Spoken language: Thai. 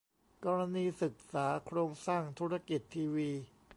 กรณีศึกษาโครงสร้างธุรกิจทีวี